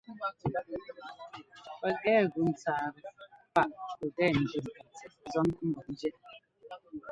Pɛkɛ gʉ ńtsáatɛ páꞌ pɛkɛ ńjʉ́ ŋkatsɛꞌ zɔ́n mbɔtnjí.